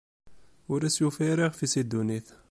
Ur as-yufi ara ixf-is i ddunit.